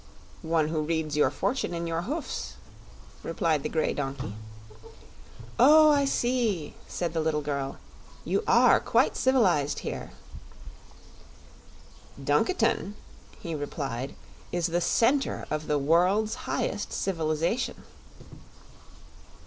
"One who reads your fortune in your hoofs," replied the grey donkey. "Oh, I see," said the little girl. "You are quite civilized here." "Dunkiton," he replied, "is the center of the world's highest civilization."